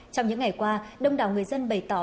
trong những ngày qua đông đảo người dân bày tỏ